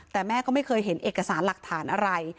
แต่แม่ก็ไม่เคยเห็นเอกสารหลักฐานอะไร